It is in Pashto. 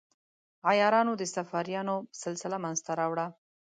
عیارانو د صفاریانو سلسله منځته راوړه.